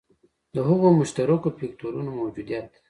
د هغو مشترکو فکټورونو موجودیت.